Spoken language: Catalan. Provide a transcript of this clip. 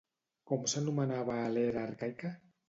Com s'anomenava a l'era arcaica?